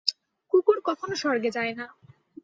কুকুর কখনও স্বর্গে যায় না।